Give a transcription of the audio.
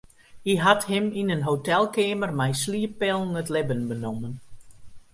Hy hat him yn in hotelkeamer mei slieppillen it libben benommen.